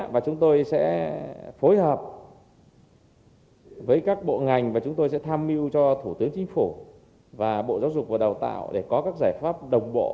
và chúng tôi sẽ phối hợp với các bộ ngành và chúng tôi sẽ tham mưu cho thủ tướng chính phủ và bộ giáo dục và đào tạo để có các giải pháp đồng bộ